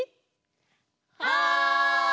はい！